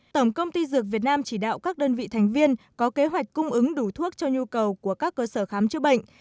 tổng công ty dược việt nam chỉ đạo các đơn vị thành viên có kế hoạch cung ứng đủ thuốc cho nhu cầu của các cơ sở khám chữa bệnh